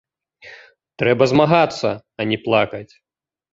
Трэба змагацца, а не плакаць!